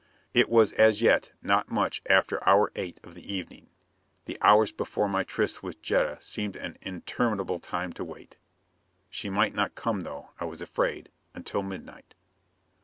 It was as yet not much after hour eight of the evening. The hours before my tryst with Jetta seemed an interminable time to wait. She might not come, though, I was afraid, until midnight.